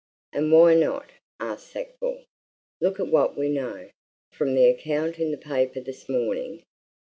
"And why not?" asked Sackville. "Look at what we know from the account in the paper this morning.